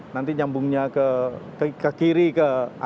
nanti nyambungnya ke kiri ke atas